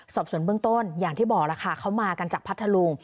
สอบส่วนเบื้องต้นอย่างที่บอกแล้วค่ะเขามากันจากพัทธลุง